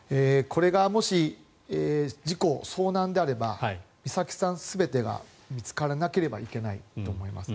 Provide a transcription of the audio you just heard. これがもし事故、遭難であれば美咲さん全てが見つからなければいけないと思います。